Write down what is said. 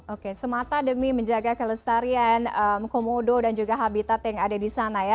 oke semata demi menjaga kelestarian komodo dan juga habitat yang ada di sana ya